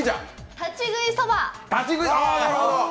立ち食いそば。